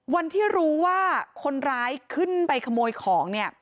วันที่รู้ว่าคนร้ายขึ้นไปขโมยของเนี่ย